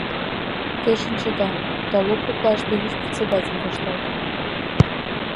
Те шинчеда, талук коклаште вич председатель вашталтын.